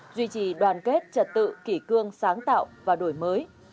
duy trì đoàn kết trật tự kỷ cương sáng tạo và đổi mới